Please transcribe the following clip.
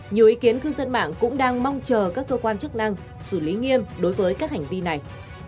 nhiều ý kiến cư dân mạng cũng đang mong chờ các cơ quan chức năng xử lý nghiêm đối với các hành vi này